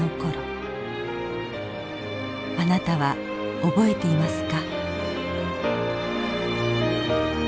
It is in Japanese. あなたは覚えていますか？